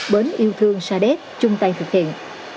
bến yêu thương sa đéc chung tay thực hiện